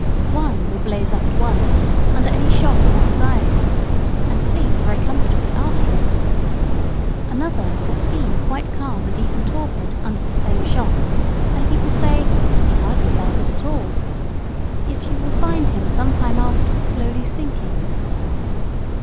One will blaze up at once, under any shock or anxiety, and sleep very comfortably after it; another will seem quite calm and even torpid, under the same shock, and people say, "He hardly felt it at all," yet you will find him some time after slowly sinking.